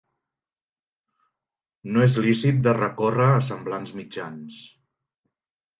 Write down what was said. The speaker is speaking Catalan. No és lícit de recórrer a semblants mitjans.